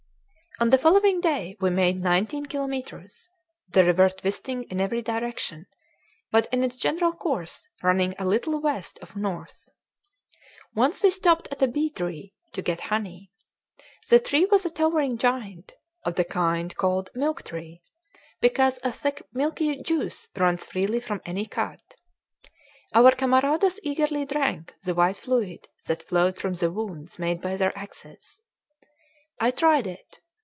On the following day we made nineteen kilometres, the river twisting in every direction, but in its general course running a little west of north. Once we stopped at a bee tree, to get honey. The tree was a towering giant, of the kind called milk tree, because a thick milky juice runs freely from any cut. Our camaradas eagerly drank the white fluid that flowed from the wounds made by their axes. I tried it.